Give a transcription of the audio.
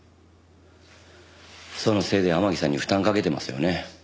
そのせいで天樹さんに負担かけてますよね。